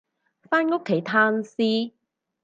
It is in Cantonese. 返屋企攤屍